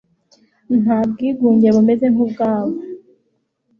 nta bwigunge bumeze nk'ubwabo